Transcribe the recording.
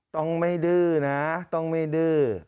ต้องไม่ดื้อนะต้องไม่ดื้อ